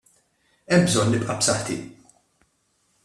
Hemm bżonn nibqa' b'saħħti.